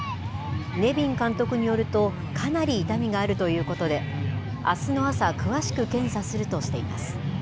ネビン監督によると、かなり痛みがあるということで、あすの朝、詳しく検査するとしています。